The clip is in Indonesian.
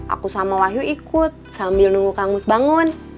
aku sama wahyu ikut sambil nunggu kang mus bangun